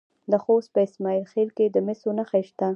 د خوست په اسماعیل خیل کې د مسو نښې شته.